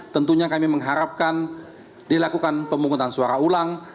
tentunya kami mengharapkan dilakukan pemungutan suara ulang